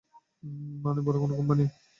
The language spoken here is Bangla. মানে, বড় কোনো কোম্পানি?